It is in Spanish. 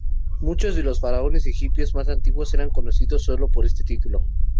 Muchos de los faraones egipcios más antiguos eran conocidos sólo por este título.